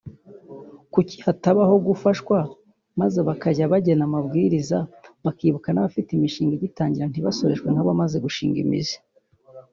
kuki hatabaho gufashwa maze bajya kugena amabwiriza bakibuka n’abafite imishinga igitangira ntibasoreshwe nk’abamaze gushinga imizi”